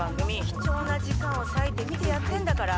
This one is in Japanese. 貴重な時間を割いて見てやってんだから。